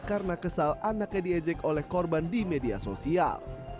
karena kesal anaknya diejek oleh korban di media sosial